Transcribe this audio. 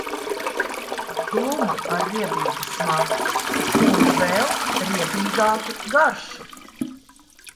Gluma, ar riebīgu smaku un vēl riebīgāku garšu.